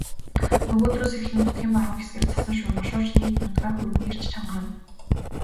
Нөгөөдрөөс эхлэн нутгийн баруун хэсгээр цасан шуурга шуурч нийт нутгаар хүйтний эрч чангарна.